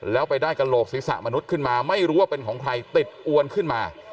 แล้วไปได้กระโหลกศีรษะมนุษย์ขึ้นมาไม่รู้ว่าเป็นของใครติดอวนขึ้นมา